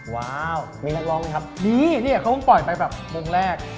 ว้าวมีนักร้องไหมครับมีนี่เขาก็ปล่อยไปแบบมงแรก